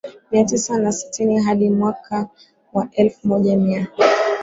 Mia tisa na sitini hadi mwaka wa elfu moja mia